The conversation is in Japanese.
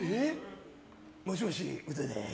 もしもし、ウドです。